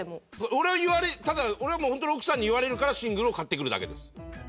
俺はただホントに奥さんに言われるからシングルを買ってくるだけです。